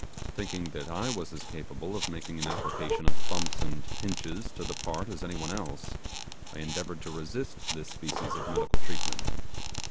Thinking that I was as capable of making an application of thumps and pinches to the part as any one else, I endeavoured to resist this species of medical treatment.